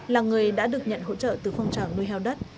là người đã được nhận hỗ trợ từ phong trào nuôi heo đất